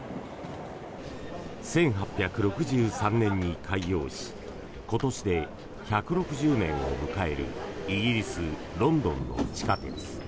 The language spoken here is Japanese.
１８６３年に開業し今年で１６０年を迎えるイギリス・ロンドンの地下鉄。